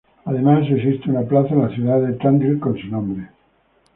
Además existe una plaza en la ciudad de Tandil con su nombre.